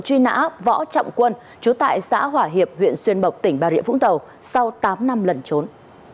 truy nã võ trọng quân chú tại xã hỏa hiệp huyện xuyên mộc tỉnh bà rịa vũng tàu sau tám năm lần trốn